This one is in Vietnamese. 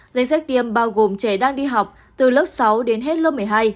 danh sách tiêm bao gồm trẻ đang đi học từ lớp sáu đến hết lớp một mươi hai